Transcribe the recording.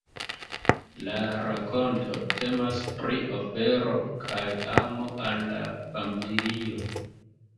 La rakonto temas pri ofero kaj amo al la familio.